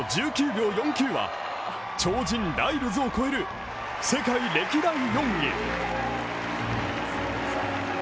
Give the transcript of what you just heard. １９秒４９は超人ライルズを超える世界歴代４位。